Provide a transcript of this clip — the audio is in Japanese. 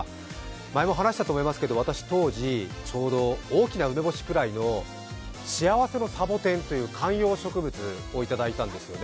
前も話したと思いますけれども、私は当時大きな梅干しくらいの幸せのサボテンという観葉植物を頂いたんですよね。